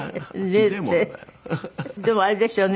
でもあれですよね。